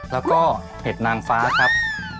แล้วก็เห็ดนางฟ้าครับ